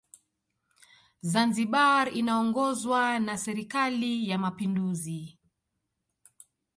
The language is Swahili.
zanzibar inaongozwa na serikali ya mapinduzi